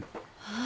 ああ。